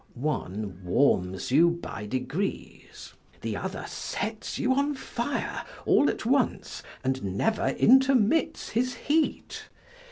One warms you by degrees: the other sets you on fire all at once, and never intermits his heat.